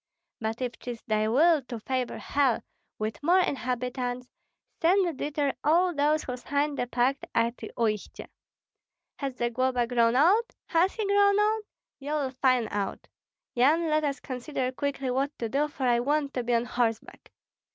But if 'tis thy will to favor hell with more inhabitants, send thither all those who signed the pact at Uistsie. Has Zagloba grown old? has he grown old? You will find out! Yan, let us consider quickly what to do, for I want to be on horseback."